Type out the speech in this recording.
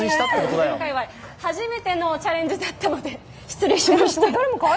今回は初めてのチャレンジだったので、失礼しました。